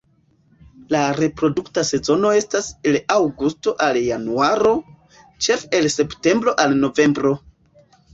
La reprodukta sezono estas el aŭgusto al januaro, ĉefe el septembro al novembro.